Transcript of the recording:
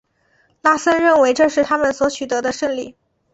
拉森认为这是他们所取得的胜利。